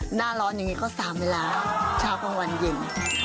หน้าร้อนอย่างนี้ก็๓เวลาเช้ากลางวันเย็น